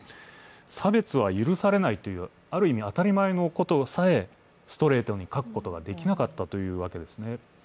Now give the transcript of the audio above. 差別は許されないというある意味当たり前のことでさえ、ストレートに書くことができなかったというわけですね。